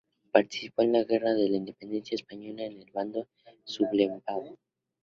Participó en la guerra de la Independencia española en el bando sublevado.